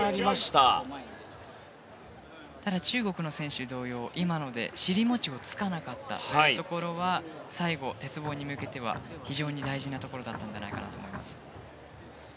ただ、中国の選手同様今ので尻餅をつかなかったところは最後、鉄棒に向けては非常に大事なところだったと思います。